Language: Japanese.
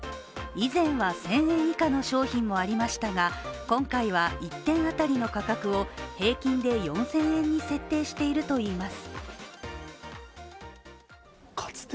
以前は１０００円以下の商品もありましたが今回は１点当たりの価格を、平均で４０００円に設定しているといいます。